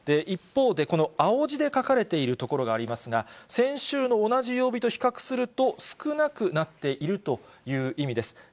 一方で、この青字で書かれている所がありますが、先週の同じ曜日と比較すると、少なくなっているという意味です。